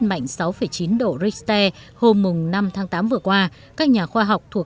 mạnh sáu chín độ richter hôm năm tháng tám vừa qua các nhà khoa học thuộc